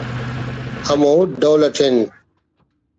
ہمو ڈول اٹ ہِن